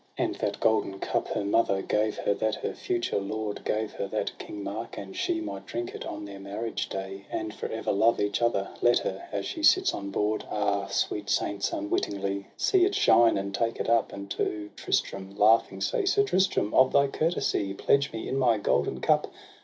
And that golden cup her mother TRISTRAM AND ISEULT, 197 Gave her, that her future lord, Gave her, that King Marc and she, Might drink it on their marriage day, And for ever love each other — Let her, as she sits on board, Ah ! sweet saints, unwittingly ! See it shine, and take it up, And to Tristram laughing say :' Sir Tristram, of thy courtesy, Pledge me in my golden cup